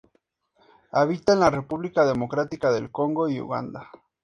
Habita en la República Democrática del Congo y Uganda.